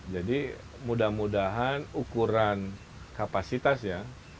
jadi mudah mudahan ukuran kapasitasnya